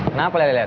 kenapa lo liat liat